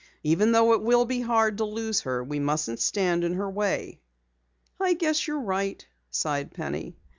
Even though it will be hard to lose her, we mustn't stand in her way." "I guess you're right," sighed Penny.